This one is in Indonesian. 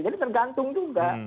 jadi tergantung juga